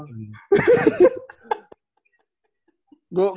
gua bilang sama dia